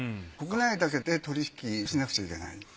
国内だけで取り引きしなくちゃいけない。